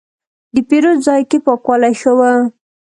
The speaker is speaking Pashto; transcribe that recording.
د پیرود ځای کې پاکوالی ښه و.